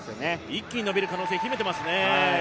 一気に伸びる可能性を秘めていますね。